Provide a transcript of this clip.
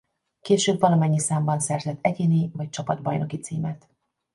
Később valamennyi számban szerzett egyéni vagy csapatbajnoki címet.